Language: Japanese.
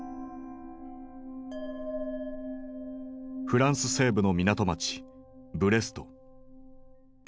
フランス西部の港街ブレスト。